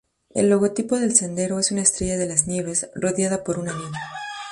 El logotipo del sendero, es una estrella de las nieves, rodeada por un anillo.